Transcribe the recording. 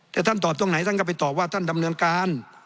แต่ท่านตอบตรงไหนท่านก็ไปตอบว่าท่านดำเนินการ